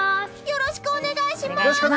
よろしくお願いします！